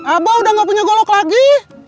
abah udah gak punya golok lagi